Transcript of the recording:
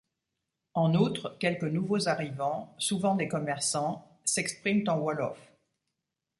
En outre, quelques nouveaux arrivants, souvent des commerçants, s'expriment en wolof.